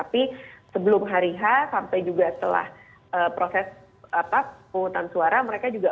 penghutang suara mereka juga